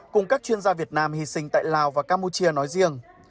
cùng các chuyên gia việt nam hy sinh tại lào và campuchia nói riêng